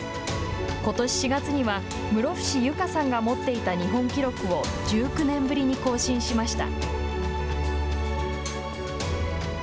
ことし４月には室伏由佳さんが持っていた日本記録を１９年ぶりに更新しました。